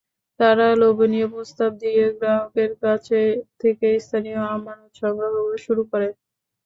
তারা লোভনীয় প্রস্তাব দিয়ে গ্রাহকের কাছ থেকে স্থায়ী আমানত সংগ্রহ শুরু করে।